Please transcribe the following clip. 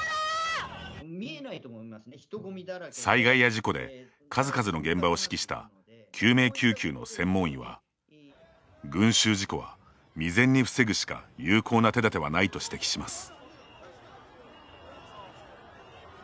災害や事故で数々の現場を指揮した救命救急の専門医は群衆事故は未然に防ぐしか有効な手立てはないと指摘します。